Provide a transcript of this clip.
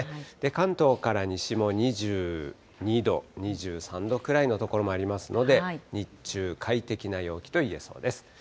関東から西も２２度、２３度くらいの所もありますので、日中、快適な陽気といえそうです。